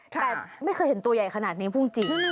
แต่ไม่เคยเห็นตัวใหญ่ขนาดนี้พูดจริง